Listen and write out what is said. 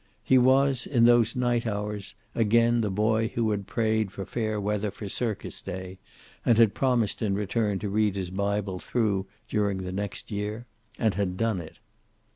He was, in those night hours, again the boy who had prayed for fair weather for circus day and had promised in return to read his Bible through during the next year. And had done it.